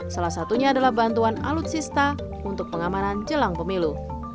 salah satunya adalah bantuan alutsista untuk pengamanan jelang pemilu